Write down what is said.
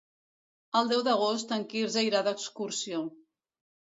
El deu d'agost en Quirze irà d'excursió.